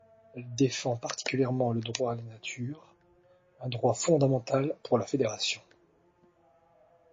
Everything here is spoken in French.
Elle défend particulièrement le droit à la nature, un droit fondamental pour la fédération.